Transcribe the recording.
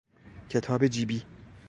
کتاب جیبی